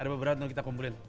ada beberapa kita kumpulin